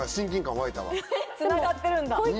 つながってるんだ。